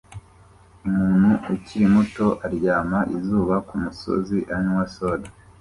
Umuntu ukiri muto aryama izuba kumusozi anywa soda